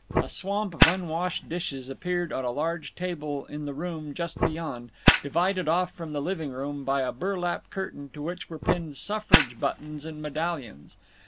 A swamp of unwashed dishes appeared on a large table in the room just beyond, divided off from the living room by a burlap curtain to which were pinned suffrage buttons and medallions.